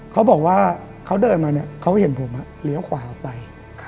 เขาบอกว่าเขาเดินมาเนี่ยเขาเห็นผมเลี้ยวขวาออกไป